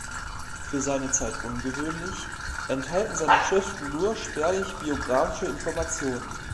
Für seine Zeit ungewöhnlich, enthalten seine Schriften nur spärliche biographische Informationen.